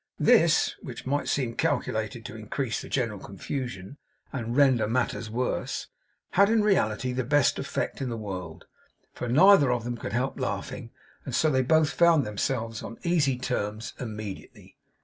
This, which might seem calculated to increase the general confusion and render matters worse, had in reality the best effect in the world, for neither of them could help laughing; and so they both found themselves on easy terms immediately.